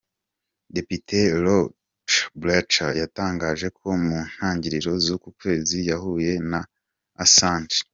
Depite Rohrabacher yatangaje ko mu ntangiriro z’uku kwezi yahuye na Assange.